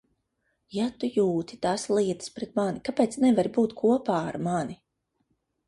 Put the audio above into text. Ja tu jūti tās lietas pret mani, kāpēc nevari būt kopā ar mani?